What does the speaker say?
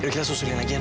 kita susulin lagi ya non